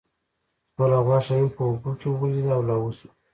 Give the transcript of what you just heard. خپله غوښه یې هم په اوبو کې وغورځیده او لاهو شوه.